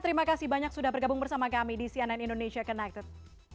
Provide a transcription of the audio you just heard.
terima kasih banyak sudah bergabung bersama kami di cnn indonesia connected